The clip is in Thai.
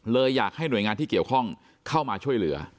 อยากให้หน่วยงานที่เกี่ยวข้องเข้ามาช่วยเหลือ